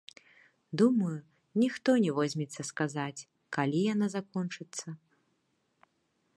Думаю, ніхто не возьмецца сказаць, калі яна закончыцца.